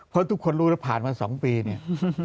เพราะทุกคนรู้แล้วผ่านมา๒ปีเนี่ย